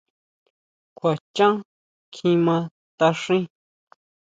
¿Kjua xhán kjimá taáxin?